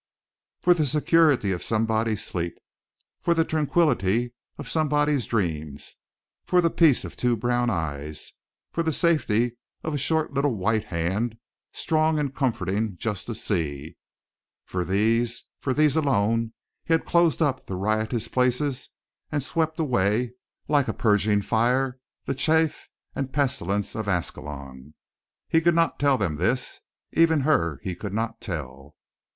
For the security of somebody's sleep, for the tranquillity of somebody's dreams; for the peace of two brown eyes, for the safety of a short little white hand, strong and comforting just to see for these, for these alone, he had closed up the riotous places and swept away like a purging fire the chaff and pestilence of Ascalon. He could not tell them this. Even her he could not tell.